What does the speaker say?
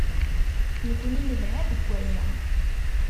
Nekkni nelha deg waya.